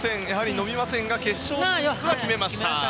伸びませんが決勝進出は決めました。